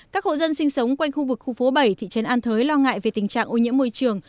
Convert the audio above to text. các hộ dân sinh sống quanh khu vực khu phố bảy thị trấn an thới lo ngại về tình trạng ô nhiễm môi trường